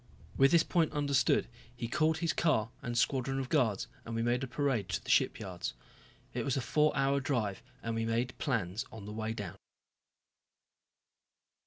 With this point understood he called his car and squadron of guards and we made a parade to the shipyards. It was a four hour drive and we made plans on the way down.